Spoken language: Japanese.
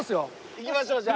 行きましょうじゃあ。